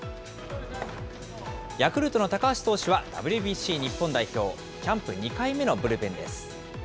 ヤクルトの高橋投手はＷＢＣ日本代表、キャンプ２回目のブルペンです。